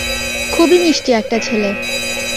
খুবই মিষ্টি একটা ছেলে।